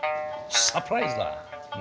サプライズだ！